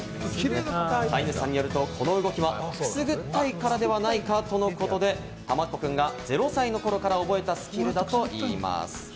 飼い主さんによると、この動きはくすぐったいからではないかとのことで、たまっこくんが０歳の頃から覚えたスキルだといいます。